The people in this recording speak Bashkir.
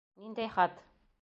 Ниндәй хат?